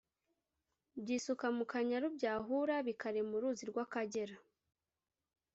byisuka mu kanyaru byahura bikarema uruzi rw’akagera